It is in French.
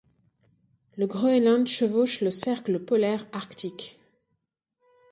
Le Groenland chevauche le cercle polaire arctique.